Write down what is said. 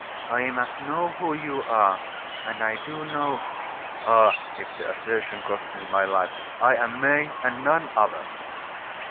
I must know who you are and I do know " "Ah! if the assertion costs me my life I'm May and none other."